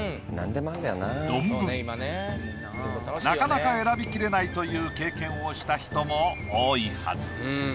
なかなか選びきれないという経験をした人も多いはず。